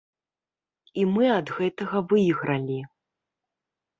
І мы ад гэтага выйгралі.